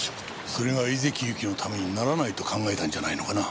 それが井関ゆきのためにならないと考えたんじゃないのかな？